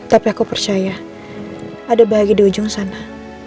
tapi aku percaya ada bahagia di ujung sana